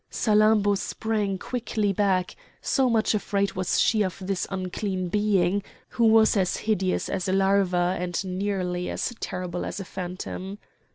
Salammbô sprang quickly back, so much afraid was she of this unclean being, who was as hideous as a larva and nearly as terrible as a phantom.